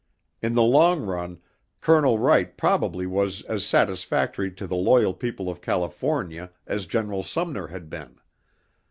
In the long run, Colonel Wright probably was as satisfactory to the loyal people of California as General Sumner had been.